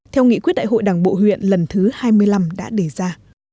theo nghị quyết đại hội đảng bộ huyện lần thứ hai mươi năm đã đề ra